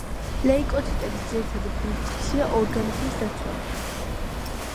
ლეიკოციტების ძირითადი ფუნქცია ორგანიზმის დაცვაა.